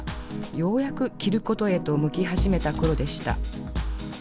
ようやく着ることへと向き始めた頃でした。